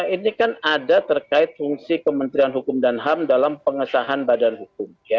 ini kan ada terkait fungsi kementerian hukum dan ham dalam pengesahan badan hukum